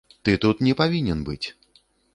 Ты тут не павінен быць.